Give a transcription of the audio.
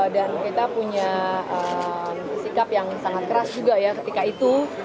dan kita punya sikap yang sangat keras juga ya ketika itu